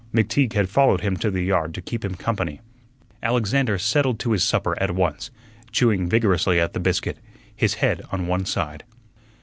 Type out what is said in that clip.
McTeague had followed him to the yard to keep him company. Alexander settled to his supper at once, chewing vigorously at the biscuit, his head on one side.